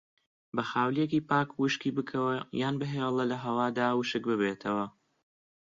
بە خاولیەکی پاک وشکی بکەوە یان بهێڵە لەهەوادا وشک ببێتەوە.